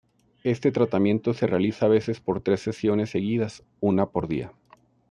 Este tratamiento se realiza a veces por tres sesiones seguidas, una por día.